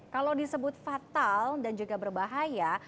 kalau disebut fatal dan juga berbahaya